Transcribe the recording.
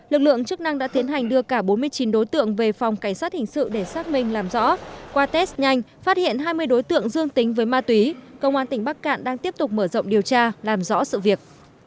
lực lượng chức năng đã tiến hành đưa cả bốn mươi chín đối tượng về phòng cảnh sát hình sự để xác minh làm rõ qua test nhanh phát hiện hai mươi đối tượng dương tính với ma túy công an tỉnh bắc cạn đang tiếp tục mở rộng điều tra làm rõ sự việc